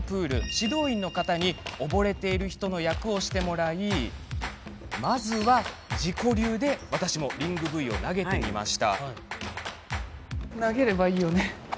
指導員の方に溺れている人の役をしてもらいまずは自己流でリングブイを投げてみました。